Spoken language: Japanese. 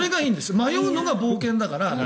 迷うのが冒険だから。